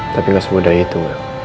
tapi gak semudah itu